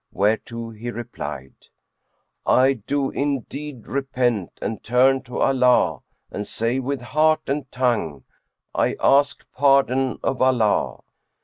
whereto he replied, "I do indeed repent and turn to Allah and say with heart and tongue, 'I ask pardon of Allah.'"